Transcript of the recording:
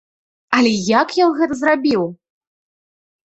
Але як ён гэта зрабіў?